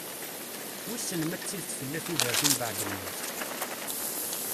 Wissen ma d tidet tella tudert umbaɛd lmut?